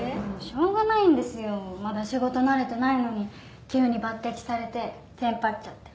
しょうがないんですよまだ仕事慣れてないのに急に抜てきされてテンパっちゃって。